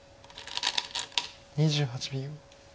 ２８秒。